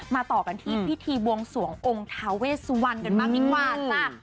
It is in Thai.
มาต่อกันที่พิธีบวงสวงองค์ทาเวชวันกันมากนิดกว่า